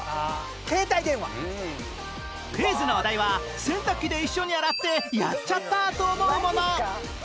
クイズのお題は洗濯機で一緒に洗ってやっちゃったと思うもの